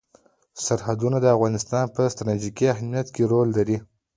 سرحدونه د افغانستان په ستراتیژیک اهمیت کې رول لري.